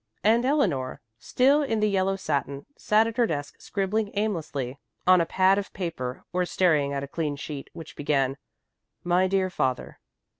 And Eleanor, still in the yellow satin, sat at her desk scribbling aimlessly on a pad of paper or staring at a clean sheet, which began, "My dear father."